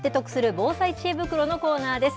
防災知恵袋のコーナーです。